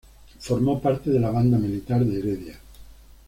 Formó parte de la banda militar de Heredia.